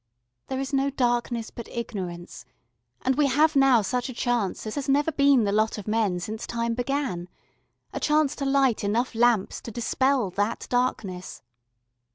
"There is no darkness but ignorance," and we have now such a chance as has never been the lot of men since Time began, a chance to light enough lamps to dispel that darkness.